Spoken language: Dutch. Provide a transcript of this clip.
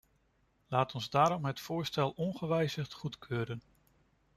Laat ons daarom het voorstel ongewijzigd goedkeuren.